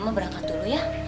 ir mama berangkat dulu ya